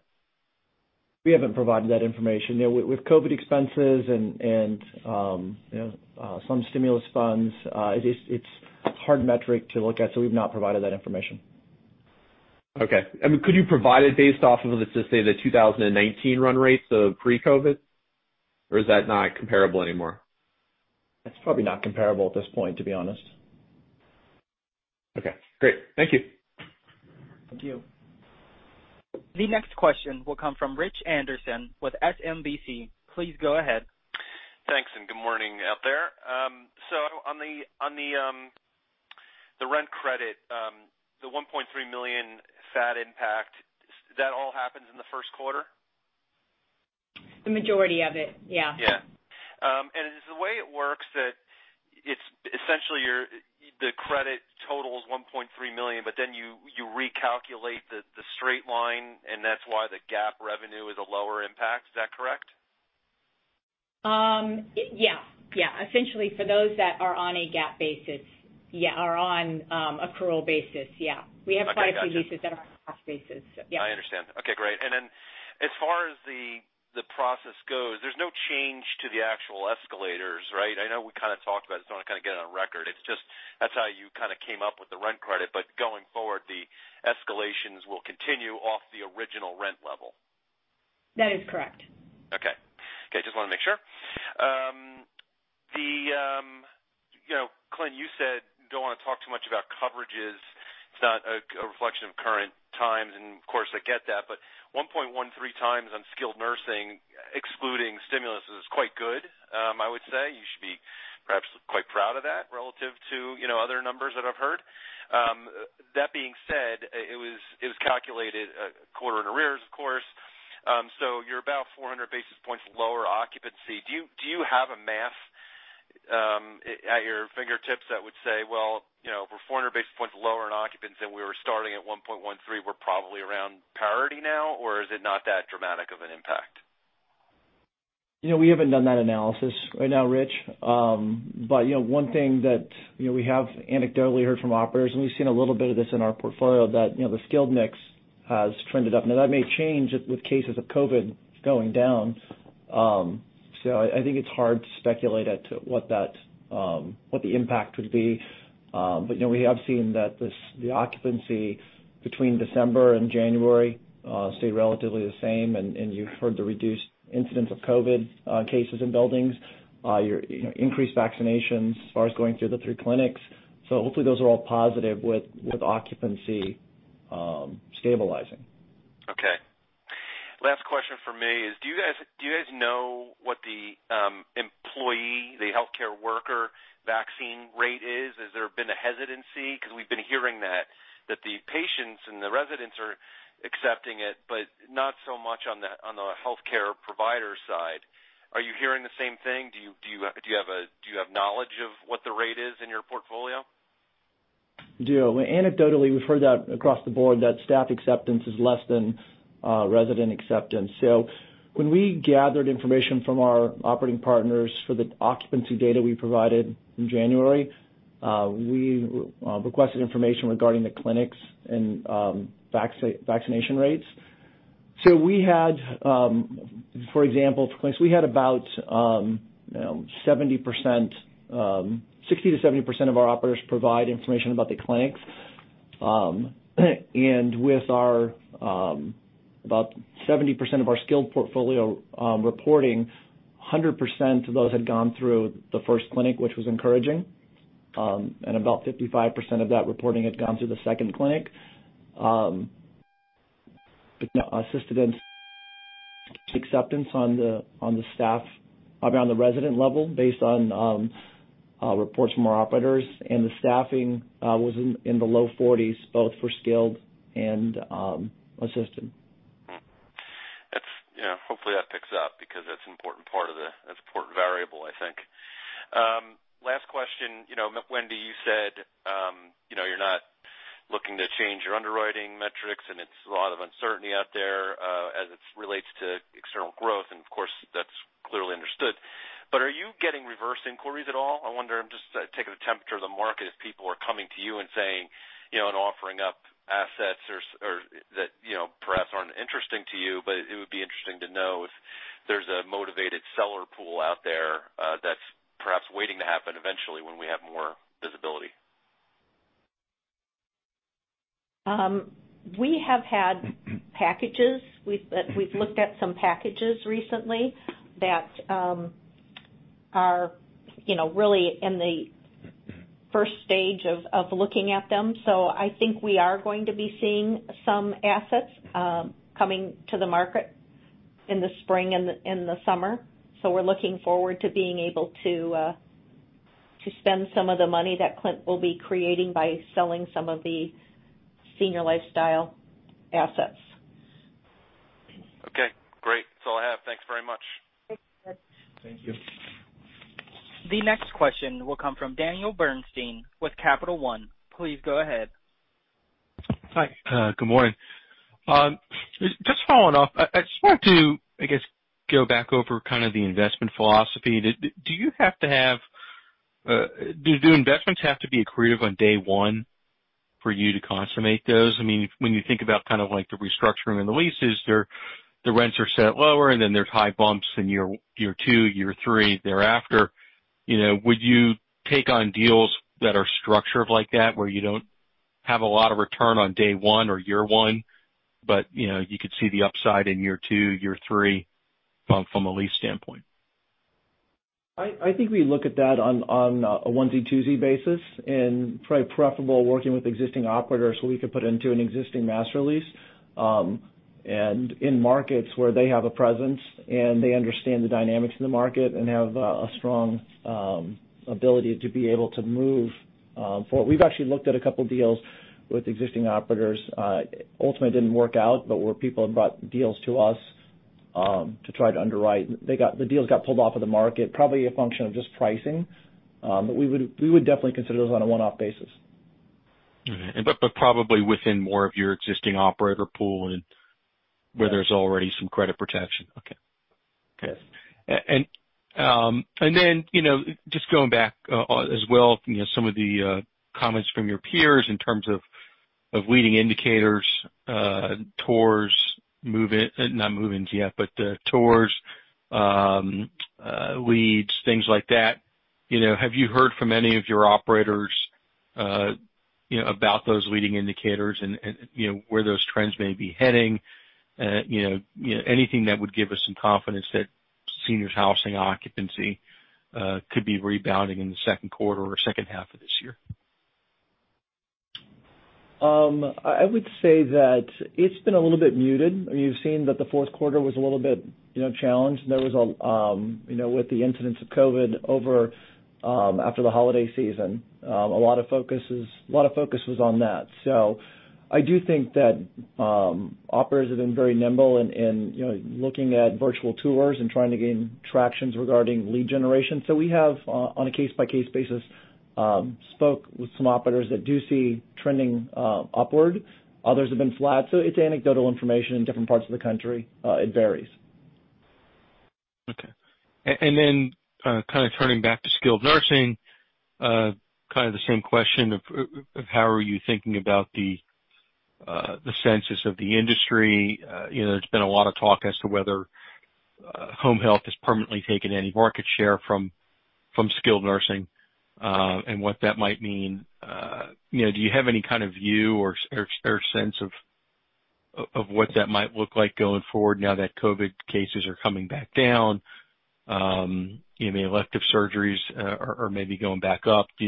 We haven't provided that information. With COVID expenses and some stimulus funds, it's hard metric to look at, so we've not provided that information. Okay. Could you provide it based off of, let's just say, the 2019 run rates of pre-COVID, or is that not comparable anymore? It's probably not comparable at this point, to be honest. Okay, great. Thank you. Thank you. The next question will come from Rich Anderson with SMBC. Please go ahead. Thanks. Good morning out there. On the rent credit, the $1.3 million FAD impact, that all happens in the first quarter? The majority of it, yeah. Yeah. Is the way it works that it's essentially the credit total is $1.3 million, but then you recalculate the straight line, and that's why the GAAP revenue is a lower impact. Is that correct? Yeah. Essentially for those that are on accrual basis, yeah. We have quite a few leases- I gotcha. that are on cash basis. Yeah. I understand. Okay, great. As far as the process goes, there's no change to the actual escalators, right? I know we kind of talked about it, I just want to kind of get it on record. It's just that's how you kind of came up with the rent credit. Going forward, the escalations will continue off the original rent level. That is correct. Okay. Just wanted to make sure. Clint, you said you don't want to talk too much about coverages. It's not a reflection of current times, of course, I get that, but 1.13 times on skilled nursing, excluding stimulus, is quite good, I would say. You should be perhaps quite proud of that relative to other numbers that I've heard. That being said, it was calculated quarter in arrears, of course. You're about 400 basis points lower occupancy. Do you have a math at your fingertips that would say, well, if we're 400 basis points lower in occupancy and we were starting at 1.13, we're probably around parity now, or is it not that dramatic of an impact? We haven't done that analysis right now, Rich. One thing that we have anecdotally heard from operators, and we've seen a little bit of this in our portfolio, that the skilled mix has trended up. Now, that may change with cases of COVID going down. I think it's hard to speculate as to what the impact would be. We have seen that the occupancy between December and January stay relatively the same, and you've heard the reduced incidents of COVID cases in buildings, increased vaccinations as far as going through the three clinics. Hopefully those are all positive with occupancy stabilizing. Okay. Last question from me is, do you guys know what the employee, the healthcare worker vaccine rate is? Has there been a hesitancy? We've been hearing that the patients and the residents are accepting it, but not so much on the healthcare provider side. Are you hearing the same thing? Do you have knowledge of what the rate is in your portfolio? Do you know what? Anecdotally, we've heard that across the board, that staff acceptance is less than resident acceptance. When we gathered information from our operating partners for the occupancy data we provided in January, we requested information regarding the clinics and vaccination rates. We had, for example, for clinics, we had about 60%-70% of our operators provide information about the clinics. With about 70% of our skilled portfolio reporting, 100% of those had gone through the first clinic, which was encouraging. About 55% of that reporting had gone through the second clinic. Assisted living acceptance on the resident level based on reports from our operators, and the staffing was in the low 40s, both for skilled and assisted. Hopefully that picks up because that's an important variable, I think. Last question. Wendy, you said you're not looking to change your underwriting metrics, and it's a lot of uncertainty out there as it relates to external growth, and of course, that's clearly understood. Are you getting reverse inquiries at all? I wonder, I'm just taking the temperature of the market as people are coming to you and saying, offering up assets that perhaps aren't interesting to you. It would be interesting to know if there's a motivated seller pool out there that's perhaps waiting to happen eventually when we have more visibility. We have had packages. We've looked at some packages recently that are really in the stage 1 of looking at them. I think we are going to be seeing some assets coming to the market in the spring and the summer. We're looking forward to being able to spend some of the money that Clint will be creating by selling some of the Senior Lifestyle assets. Okay, great. That's all I have. Thanks very much. Thanks, Clint. Thank you. The next question will come from Daniel Bernstein with Capital One. Please go ahead. Hi. Good morning. Just following up, I just wanted to, I guess, go back over kind of like the investment philosophy. Do investments have to be accretive on day one for you to consummate those? When you think about kind of like the restructuring and the leases, the rents are set lower, and then there's high bumps in year two, year three thereafter. Would you take on deals that are structured like that where you don't have a lot of return on day one or year one, but you could see the upside in year two, year three bump from a lease standpoint? I think we look at that on a onesie-twosie basis, probably preferable working with existing operators so we could put into an existing master lease. In markets where they have a presence and they understand the dynamics in the market and have a strong ability to be able to move. We've actually looked at a couple deals with existing operators. Ultimately, it didn't work out, where people have brought deals to us to try to underwrite. The deals got pulled off of the market, probably a function of just pricing. We would definitely consider those on a one-off basis. All right. Probably within more of your existing operator pool and where there's already some credit protection. Okay. Yes. Just going back as well, some of the comments from your peers in terms of leading indicators, tours, move-in, not move-ins yet, but the tours, leads, things like that. Have you heard from any of your operators about those leading indicators and where those trends may be heading? Anything that would give us some confidence that seniors housing occupancy could be rebounding in the second quarter or second half of this year. I would say that it's been a little bit muted. You've seen that the fourth quarter was a little bit challenged, and there was with the incidence of COVID after the holiday season. A lot of focus was on that. I do think that operators have been very nimble in looking at virtual tours and trying to gain traction regarding lead generation. We have, on a case-by-case basis, spoken with some operators that do see trending upward. Others have been flat. It's anecdotal information in different parts of the country. It varies. Okay. Kind of turning back to skilled nursing, kind of the same question of how are you thinking about the census of the industry? There's been a lot of talk as to whether home health has permanently taken any market share from skilled nursing and what that might mean. Do you have any kind of view or sense of what that might look like going forward now that COVID cases are coming back down, elective surgeries are maybe going back up? Do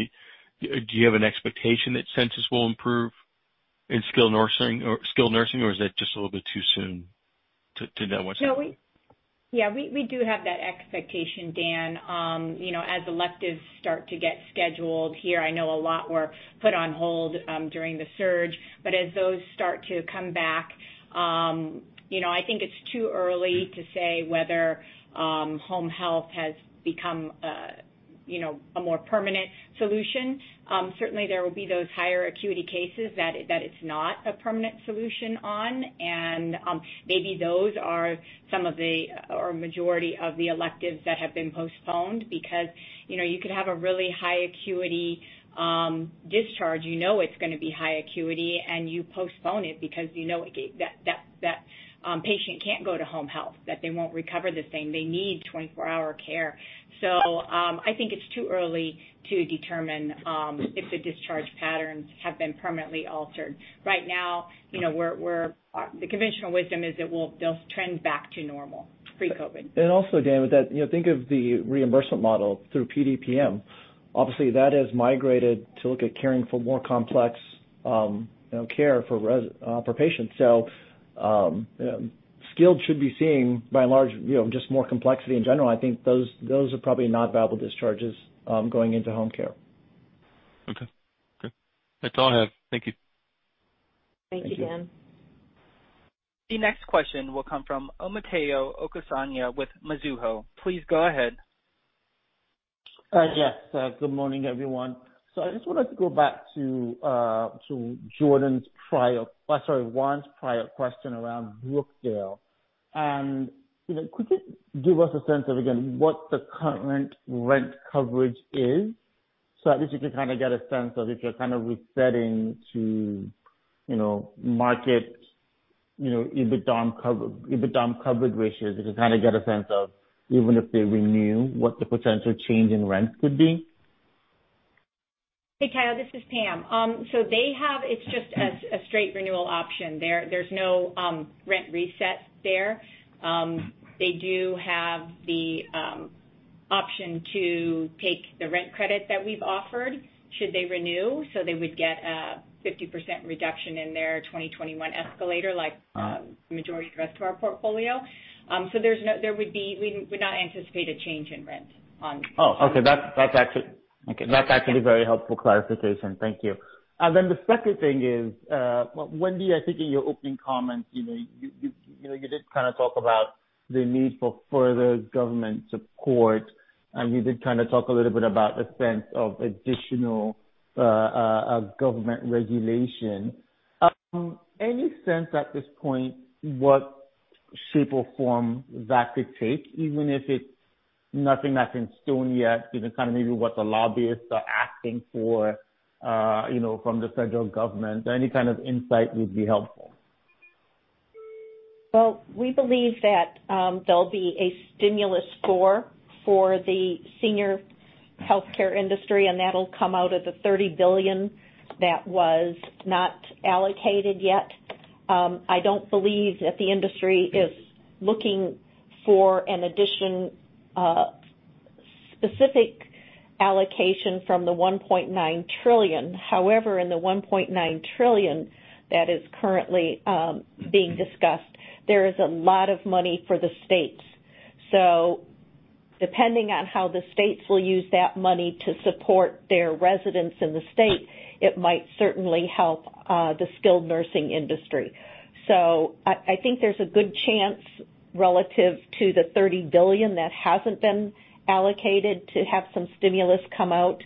you have an expectation that census will improve in skilled nursing, or is that just a little bit too soon to know what's happening? Yeah, we do have that expectation, Dan. As electives start to get scheduled here, I know a lot were put on hold during the surge. As those start to come back. I think it's too early to say whether home health has become a more permanent solution. Certainly, there will be those higher acuity cases that it's not a permanent solution on, and maybe those are some of the, or majority of the electives that have been postponed because you could have a really high acuity discharge, you know it's going to be high acuity, and you postpone it because you know that patient can't go to home health, that they won't recover the same. They need 24-hour care. I think it's too early to determine if the discharge patterns have been permanently altered. Right now, the conventional wisdom is that they'll trend back to normal pre-COVID-19. Also, Dan, with that, think of the reimbursement model through PDPM. Obviously, that has migrated to look at caring for more complex care for patients. Skilled should be seen by and large, just more complexity in general. I think those are probably not viable discharges going into home care. Okay, good. That's all I have. Thank you. Thank you, Dan. The next question will come from Omotayo Okusanya with Mizuho. Please go ahead. Yes. Good morning, everyone. I just wanted to go back to Juan's prior question around Brookdale. Could you give us a sense of, again, what the current rent coverage is? At least we can kind of get a sense of if you're kind of resetting to market EBITDA coverage ratios, just to kind of get a sense of even if they renew, what the potential change in rents could be. Hey, Tayo, this is Pam. It's just a straight renewal option there. There's no rent reset there. They do have the option to take the rent credit that we've offered should they renew. They would get a 50% reduction in their 2021 escalator like the majority of the rest of our portfolio. We would not anticipate a change in rent. Oh, okay. That's actually very helpful clarification. Thank you. The second thing is, Wendy, I think in your opening comments, you did kind of talk about the need for further government support, and you did kind of talk a little bit about the sense of additional government regulation. Any sense at this point what shape or form that could take? Even if it's nothing that's in stone yet, even kind of maybe what the lobbyists are asking for from the federal government. Any kind of insight would be helpful. Well, we believe that there'll be a stimulus score for the senior healthcare industry, that'll come out of the $30 billion that was not allocated yet. I don't believe that the industry is looking for an addition specific allocation from the $1.9 trillion. However, in the $1.9 trillion that is currently being discussed, there is a lot of money for the states. Depending on how the states will use that money to support their residents in the state, it might certainly help the skilled nursing industry. I think there's a good chance, relative to the $30 billion that hasn't been allocated, to have some stimulus come out.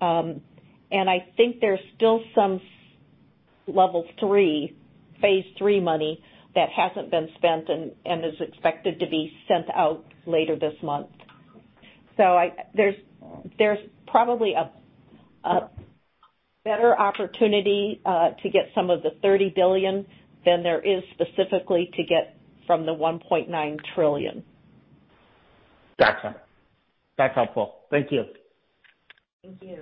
I think there's still some level 3, phase 3 money that hasn't been spent and is expected to be sent out later this month. There's probably a better opportunity to get some of the $30 billion than there is specifically to get from the $1.9 trillion. Gotcha. That's helpful. Thank you. Thank you.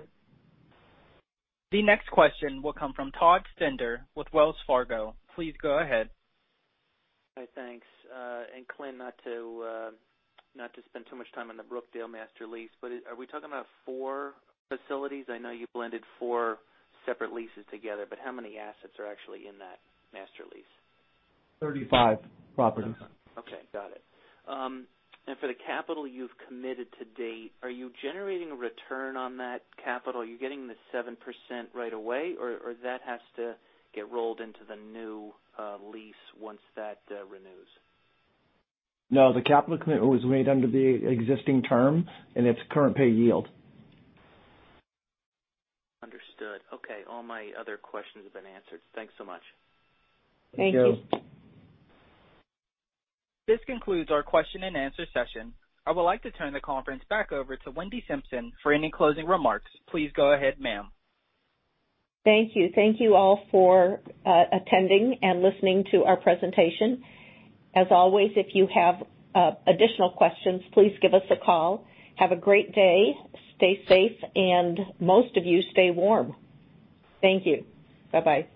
The next question will come from Todd Stender with Wells Fargo. Please go ahead. Hey, thanks. Clint, not to spend too much time on the Brookdale master lease, are we talking about four facilities? I know you blended four separate leases together, how many assets are actually in that master lease? 35 properties. Okay, got it. For the capital you've committed to date, are you generating a return on that capital? Are you getting the 7% right away, or that has to get rolled into the new lease once that renews? No, the capital commitment was made under the existing term, and it's current pay yield. Understood. Okay. All my other questions have been answered. Thanks so much. Thank you. Thank you. This concludes our question and answer session. I would like to turn the conference back over to Wendy Simpson for any closing remarks. Please go ahead, ma'am. Thank you. Thank you all for attending and listening to our presentation. As always, if you have additional questions, please give us a call. Have a great day. Stay safe, and most of you, stay warm. Thank you. Bye-bye.